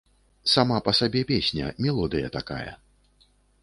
Сама па сабе песня, мелодыя такая.